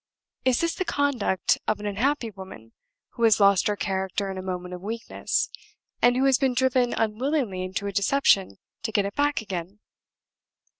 Is this the conduct of an unhappy woman who has lost her character in a moment of weakness, and who has been driven unwillingly into a deception to get it back again?"